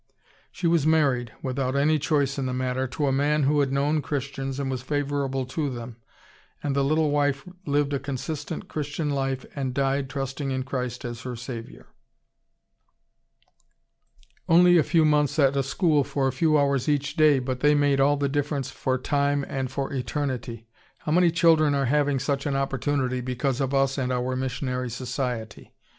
She was married, without any choice in the matter, to a man who had known Christians and was favorable to them, and the little wife lived a consistent Christian life and died trusting in Christ as her Saviour. Only a few months at school for a few hours of each day, but they made all the difference for time and for eternity! How many children are having such an opportunity because of us and our missionary society?